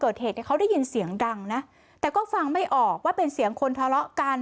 เกิดเหตุเนี่ยเขาได้ยินเสียงดังนะแต่ก็ฟังไม่ออกว่าเป็นเสียงคนทะเลาะกัน